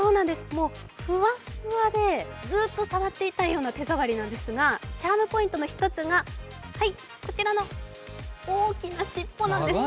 もうふわっふわで、ずっと触っていたいような手触りなんですが、チャームポイントの一つが、こちらの大きな尻尾なんです。